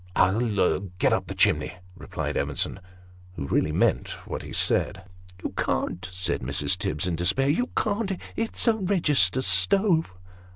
" I'll get up the chimney," replied Evenson, who really meant what he said. "You can't," said Mrs. Tibbs, in despair. "You can't it's a register stove."